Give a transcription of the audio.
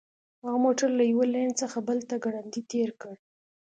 هغه موټر له یوه لین څخه بل ته ګړندی تیر کړ